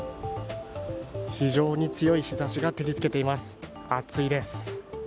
非常に強い日ざしが照りつけています、暑いです。